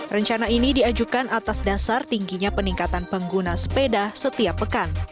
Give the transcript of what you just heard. rencana ini diajukan atas dasar tingginya peningkatan pengguna sepeda setiap pekan